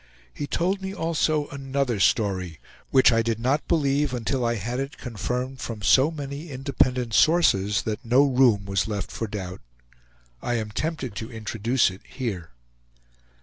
He told me also another story, which I did not believe until I had it confirmed from so many independent sources that no room was left for doubt. I am tempted to introduce it here.